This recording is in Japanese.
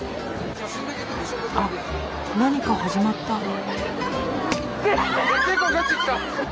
あっ何か始まった。